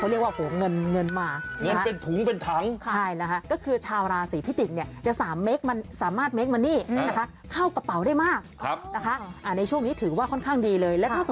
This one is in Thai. อุ๊ยเป็นกระสอบกี่วะเอาไว้ใส่เงินเลยเหรอโอ้โห